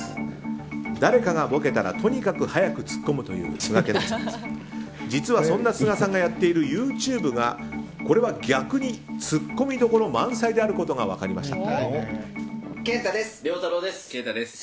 誰かがボケたらとにかく早くツッコむという須賀健太さんですが実はそんな須賀さんがやっているＹｏｕＴｕｂｅがこれは逆にツッコみどころ満載であることが分かりました。